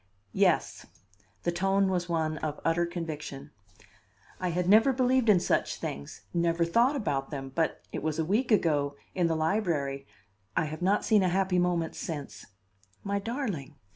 "Yes." The tone was one of utter conviction. "I had never believed in such things never thought about them, but it was a week ago in the library I have not seen a happy moment since " "My darling!"